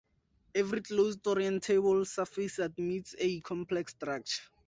Every closed orientable surface admits a complex structure.